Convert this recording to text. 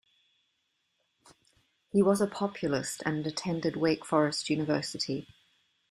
He was a Populist and attended Wake Forest University.